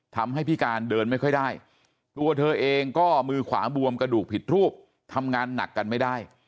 ทำให้พิการเดินไม่ค่อยได้ตัวเธอเองก็มือขวาบวมกระดูกผิดรูปทำงานหนักกันไม่ได้